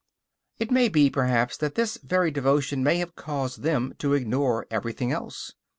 It may be, perhaps, that this very devotion may have caused them to ignore everything else.